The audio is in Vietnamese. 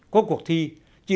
có cuộc thi